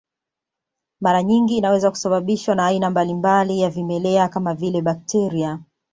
Mara nyingi inaweza kusababishwa na aina mbalimbali ya vimelea kama vile bakteria